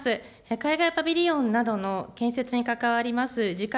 海外パビリオンなどの建設に関わります